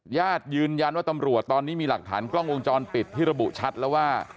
ญาติยืนยันว่าตำรวจตอนนี้มีหลักฐานกล้องวงจรปิดที่ระบุชัดแล้วว่า